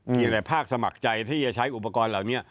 ภาคสมัครใจที่จะใช้อุปกรณ์เหล่านี้